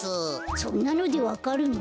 そんなのでわかるの？